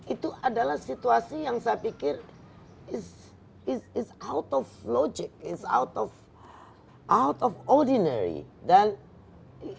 itu adalah situasi yang saya pikir is out of logic is out of ordinary dan is bizarre